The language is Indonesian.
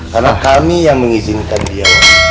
karena kami yang mengizinkan dia